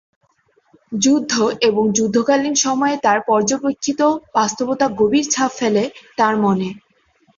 যুদ্ধ এবং যুদ্ধকালীন সময়ে তার পর্যবেক্ষিত বাস্তবতা গভীর ছাপ ফেলে তার মনে।